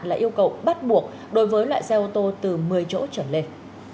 là yêu cầu bắt buộc đối với loại xe ô tô từ một mươi chỗ trở lên